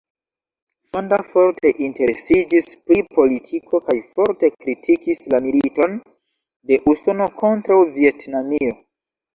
Fonda forte interesiĝis pri politiko kaj forte kritikis la militon de Usono kontraŭ Vjetnamio.